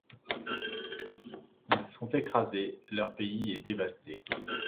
Ils sont écrasés, leur pays est dévasté.